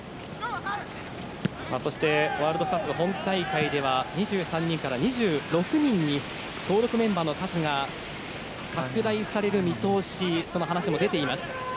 そしてワールドカップ本大会では２３人から２６人に登録メンバーの数が拡大される見通しという話も出ています。